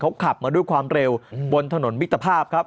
เขาขับมาด้วยความเร็วบนถนนมิตรภาพครับ